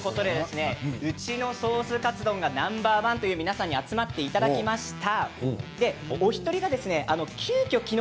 うちのソースカツ丼がナンバー１という皆さんに集まっていただきました。